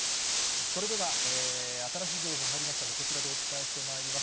それでは、新しい情報が入りましたので、こちらでお伝えしてまいります。